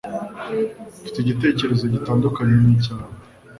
Mfite igitekerezo gitandukanye n'icyawe.